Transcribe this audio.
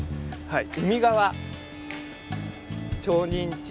はい。